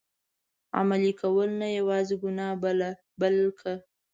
عملي کول، نه یوازي ګناه بلکه.